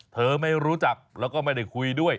ไม่รู้จักแล้วก็ไม่ได้คุยด้วย